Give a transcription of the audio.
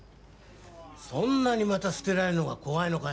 そんなにまた捨てられるのが怖いのかよ。